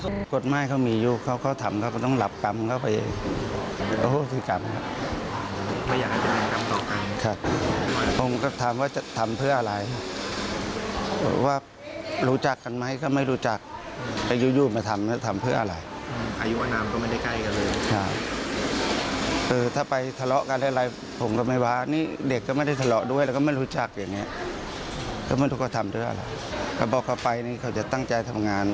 น้องชายก็เล่าต่อไปแล้วเขาจะตั้งใจทำงาน